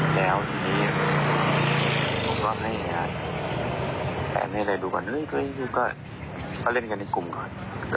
แล้วทีนี้ผมก็ให้แอบแอบให้ใดดูก่อนเฮ้ยก็เล่นกันในกลุ่มก่อน